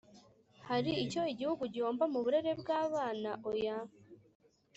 hari icyo Igihugu gihomba mu burere bw’abana oya